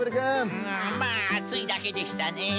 まああついだけでしたね。